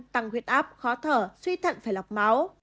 tăng huyết áp khó thở suy thận phải lọc máu